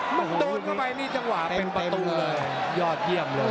มันเดินเข้าไปนี่จังหวะเป็นประตูเลยยอดเยี่ยมเลย